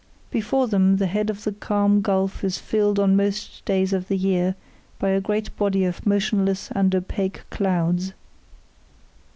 Before them the head of the calm gulf is filled on most days of the year by a great body of motionless and opaque clouds.